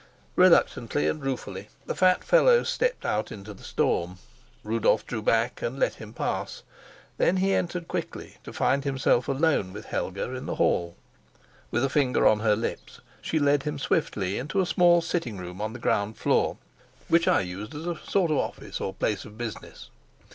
Reluctantly and ruefully the fat fellow stepped out into the storm. Rudolf drew back and let him pass, then he entered quickly, to find himself alone with Helga in the hall. With a finger on her lips, she led him swiftly into a small sitting room on the ground floor, which I used as a sort of office or place of business.